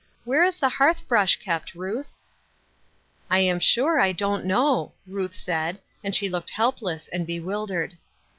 Where is the hearth brush kept, Ruth ?"" I am sure I don't know," Ruth said, and she looked helpless and bewildered.